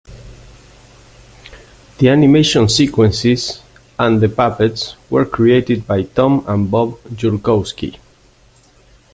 The animation sequences, and the puppets, were created by Tom and Bob Jurkowski.